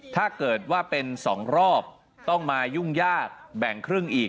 ถ้าเกิดว่าเป็น๒รอบต้องมายุ่งยากแบ่งครึ่งอีก